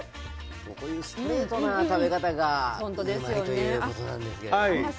もうこういうストレートな食べ方がうまいッ！ということなんですけれども。